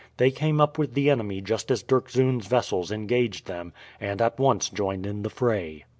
They came up with the enemy just as Dirkzoon's vessels engaged them, and at once joined in the fray.